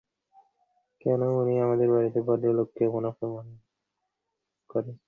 কেন উনি আমাদের বাড়িতে ভদ্রলোককে এমন করিয়া অপমান করেন?